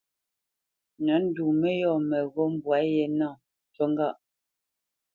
Nə̂t ndu mə́yɔ̂ mə́ghó mbwâ ye nâ, ncu ŋgâʼ.